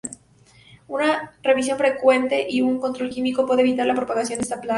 Una revisión frecuente y un control químico puede evitar la propagación de esta plaga.